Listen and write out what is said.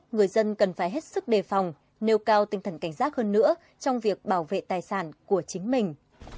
người dân cần phải hết sức đề phòng nêu cao tinh thần cảnh giác hơn nữa trong việc bảo vệ tài sản của chính mình